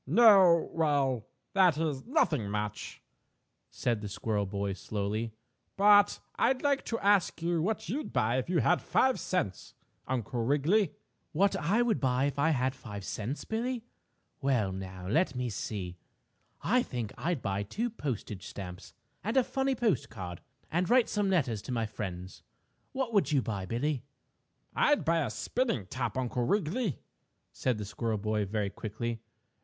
"No well that is, nothing much," said the squirrel boy slowly, "but I'd like to ask you what you'd buy if you had five cents, Uncle Wiggily." "What would I buy if I had five cents, Billie? Well now, let me see. I think I'd buy two postage stamps and a funny postcard and write some letters to my friends. What would you buy, Billie?" "I'd buy a spinning top, Uncle Wiggily," said the little squirrel boy, very quickly.